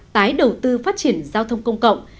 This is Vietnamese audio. tái đầu tư phát triển giao thông công cộng